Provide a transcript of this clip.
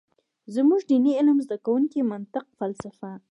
زمونږ ديني علم زده کوونکي منطق ، فلسفه ،